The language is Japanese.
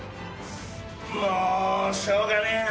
もうしようがねえな。